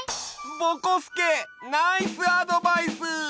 ぼこすけナイスアドバイス！